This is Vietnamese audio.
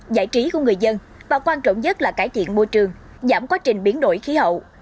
giải trí của người dân và quan trọng nhất là cải thiện môi trường giảm quá trình biến đổi khí hậu